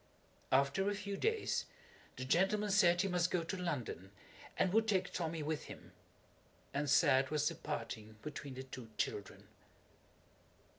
After a few days, the gentleman said he must go to London and would take Tommy with him, and sad was the parting between the two children.